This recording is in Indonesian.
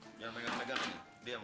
jangan megang megang nih dianmu